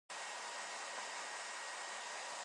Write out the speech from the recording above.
捎